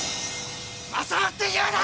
正夫って言うな！